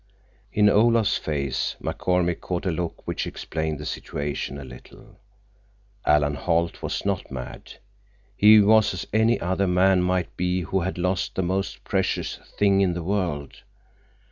In Olaf's face McCormick caught a look which explained the situation a little. Alan Holt was not mad. He was as any other man might be who had lost the most precious thing in the world.